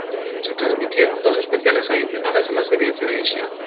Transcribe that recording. Se transmitieron dos especiales adicionales a la serie de televisión.